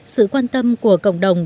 sự quan tâm của cộng đồng